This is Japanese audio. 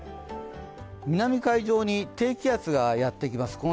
南海上に低気圧がやってきます。